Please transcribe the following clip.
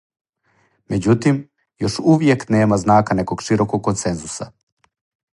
Меđутим, још увијек нема знака неког широког консензуса.